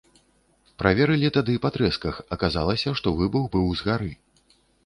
Праверылі тады па трэсках, аказалася, што выбух быў з гары.